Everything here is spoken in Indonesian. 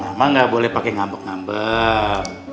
emang nggak boleh pakai ngambek ngambek